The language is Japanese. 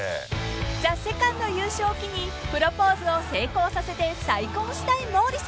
［ＴＨＥＳＥＣＯＮＤ優勝を機にプロポーズを成功させて再婚したい毛利さん］